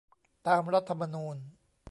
ตามรัฐธรรมนูญ